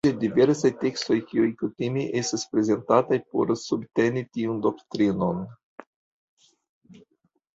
Troviĝas diversaj tekstoj kiuj kutime estas prezentataj por subteni tiun doktrinon.